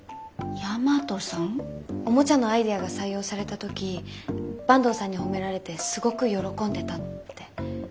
おもちゃのアイデアが採用された時坂東さんに褒められてすごく喜んでたって。